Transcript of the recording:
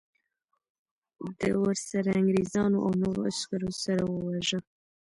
د ورسره انګریزانو او نورو عسکرو سره وواژه.